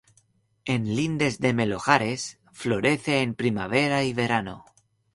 En lindes de melojares. Florece en primavera y verano.